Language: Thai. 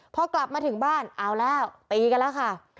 พอกลับมาถึงบ้านเอาแล้วตีกันแล้วค่ะ